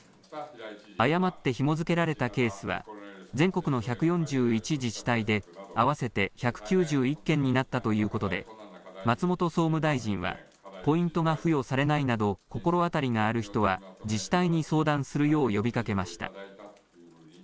誤ってひも付けられたケースは全国の１４１自治体で合わせて１９１件になったということで松本総務大臣はポイントが付与されないなど心当たりがある人は自治体に相談するよう呼びかけました。